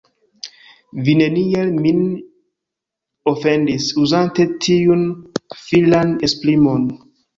Vi neniel min ofendis, uzante tiun filan esprimon.